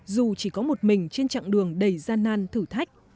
dù chỉ có một mình trên chặng đường đầy gian nan thử thách